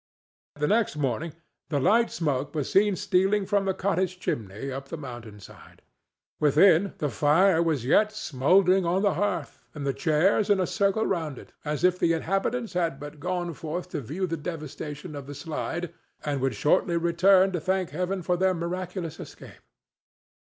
The next morning the light smoke was seen stealing from the cottage chimney up the mountain side. Within, the fire was yet smouldering on the hearth, and the chairs in a circle round it, as if the inhabitants had but gone forth to view the devastation of the slide and would shortly return to thank Heaven for their miraculous escape.